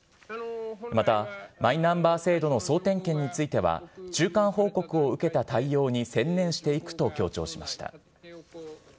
また、マイナンバー制度の総点検については、中間報告を受けた対応に専念していくと強調しました。